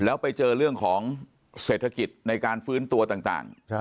แล้วไปเจอเรื่องของเศรษฐกิจในการฟื้นตัวต่าง